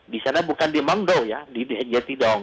di sana bukan di mangdow ya di yetidong